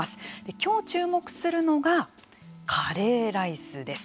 今日注目するのがカレーライスです。